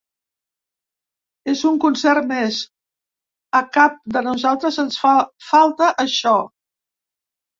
És un concert més; a cap de nosaltres ens fa falta això.